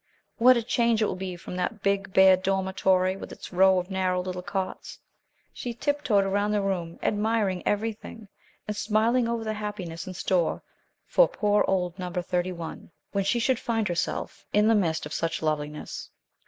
"What a change it will be from that big bare dormitory with its rows of narrow little cots." She tiptoed around the room, admiring everything, and smiling over the happiness in store for poor old Number Thirty one, when she should find herself in the midst of such loveliness.